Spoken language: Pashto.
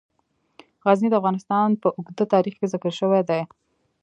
غزني د افغانستان په اوږده تاریخ کې ذکر شوی دی.